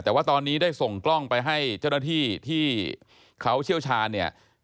แต่ว่าตอนนี้ได้ส่งกล้องไปให้เจ้าหน้าที่ที่เขาเชี่ยวชาญเนี่ย